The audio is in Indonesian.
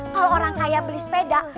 kalau orang kaya beli sepeda